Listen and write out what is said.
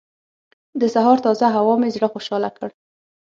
د سهار تازه هوا مې زړه خوشحاله کړ.